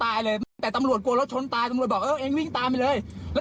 อะไรนะตำรวจอะไรนะ